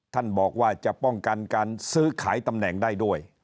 ท่านบอกว่าจะป้องกันการซื้อขายตำแหน่งได้ด้วย